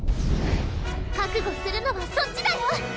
覚悟するのはそっちだよ